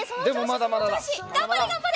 でもまだまだだ。